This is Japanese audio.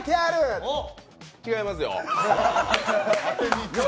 違いますよ。